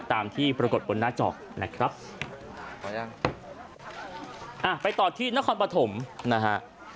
ตามที่ปรากฏบนหน้าจอนะครับอ่าไปต่อที่นครปฐมนะฮะ